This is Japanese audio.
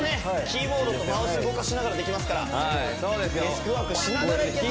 キーボードとマウス動かしながらできますからデスクワークしながらいけますね